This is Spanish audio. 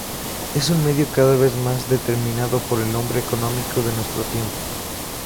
Es un medio cada vez más determinado por el hombre económico de nuestro tiempo.